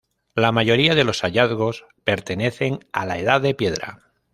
La mayoría de los hallazgos pertenecen a la edad de piedra.